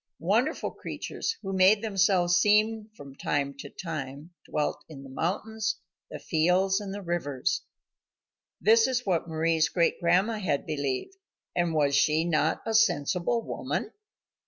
Wonderful creatures who made themselves seen from time to time dwelt in the mountains, the fields, and the rivers. This is what Mari's great grandma had believed, and was she not a sensible woman?